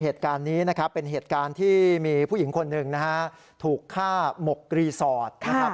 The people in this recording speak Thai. เหตุการณ์นี้เป็นเหตุการณ์ที่มีผู้หญิงคนหนึ่งถูกฆ่าหมกรีสอร์ท